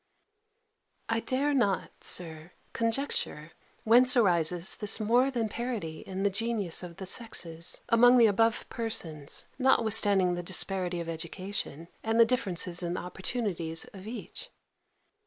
I dare not, Sir, conjecture whence arises this more than parity in the genius of the sexes, among the above persons, notwithstanding the disparity of education, and the difference in the opportunities of each.